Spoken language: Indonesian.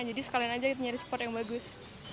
jadi sekalian aja kita nyari spot yang bagus